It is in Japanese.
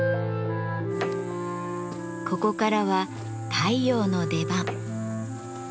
ここからは太陽の出番。